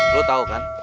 lo tau kan